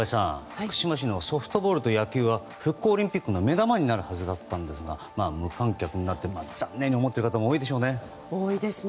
福島市のソフトボールと野球は復興オリンピックの目玉になるはずだったんですが無観客になって残念に思っている方も多いでしょうね。